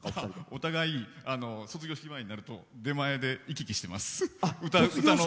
お互い、卒業式前になると出前で行き来してます。